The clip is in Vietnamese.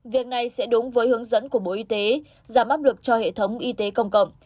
việc này sẽ đúng với hướng dẫn của bộ y tế giảm áp lực cho hệ thống y tế công cộng